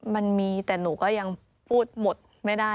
มันมีแต่หนูก็ยังพูดหมดไม่ได้